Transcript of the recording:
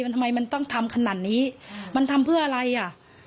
ทำไมมันต้องทำขนาดนี้มันทำเพื่ออะไรอ่ะ